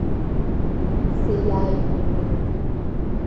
Сзаиааиуам уи.